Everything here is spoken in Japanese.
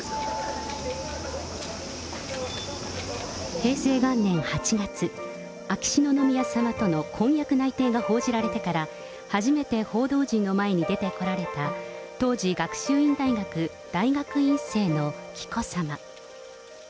平成元年８月、秋篠宮さまとの婚約内定が報じられてから、初めて報道陣の前に出てこられた、当時学習院大学大学院生の紀子さま。